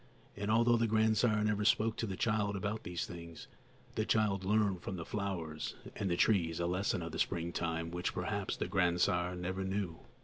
And although the grandsire never spoke to the child about these things, the child learned from the flowers and trees a lesson of the springtime which perhaps the grandsire never knew.